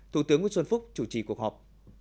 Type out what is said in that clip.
thủ tướng nguyễn xuân phúc chủ trì cuộc họp